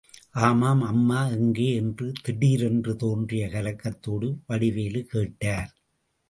ஆமாம், அம்மா எங்கே? என்று திடீரென்று தோன்றிய கலக்கத்தோடு வடிவேலு கேட்டார்.